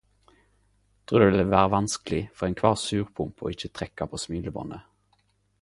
Trur det vil vere vanskeleg for einkvar surpomp å ikkje trekke på smilebåndet.